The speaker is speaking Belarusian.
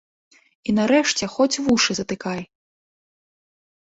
І нарэшце хоць вушы затыкай.